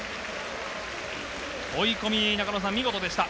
追い込み、見事でした。